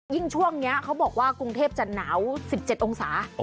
ช่วงนี้เขาบอกว่ากรุงเทพจะหนาว๑๗องศา